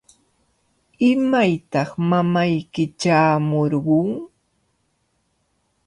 ¿Imaytaq mamayki chaamurqun?